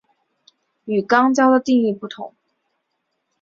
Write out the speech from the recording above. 与肛交的定义不同。